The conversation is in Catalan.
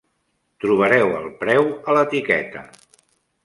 Trobareu el preu a l'etiqueta.